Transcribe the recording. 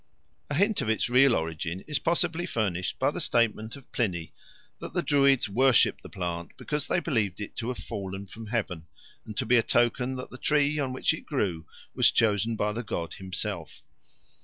A hint of its real origin is possibly furnished by the statement of Pliny that the Druids worshipped the plant because they believed it to have fallen from heaven and to be a token that the tree on which it grew was chosen by the god himself.